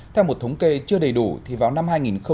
theo một thống kê chưa đầy đủ thì vào năm hai nghìn một mươi chín